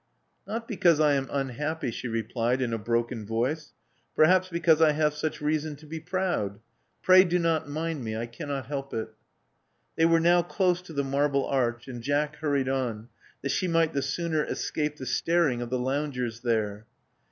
*' Not because I am unhappy," she replied in a broken voice. Perhaps because I have such reason to be proud. Pray do not mind me. I cannot help it." They were now close to the Marble Arch ; and Jack hurried on, that she might the sooner escape the staring of the loungers there.